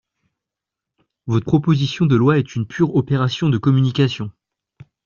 Votre proposition de loi est une pure opération de communication.